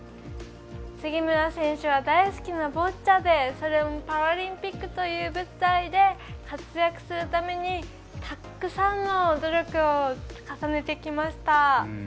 杉村選手は大好きなボッチャでそれもパラリンピックという舞台で活躍するためにたくさんの努力を重ねてきました。